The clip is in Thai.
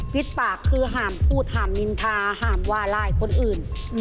ปากคือห้ามพูดห้ามนินทาห้ามว่าลายคนอื่น